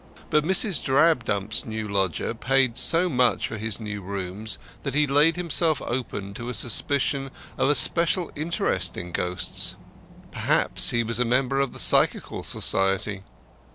But Mrs. Drabdump's new lodger paid so much for his rooms that he laid himself open to a suspicion of a special interest in ghosts. Perhaps he was a member of the Psychical Society.